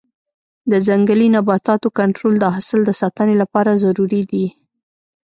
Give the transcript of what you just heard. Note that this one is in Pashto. د ځنګلي نباتاتو کنټرول د حاصل د ساتنې لپاره ضروري دی.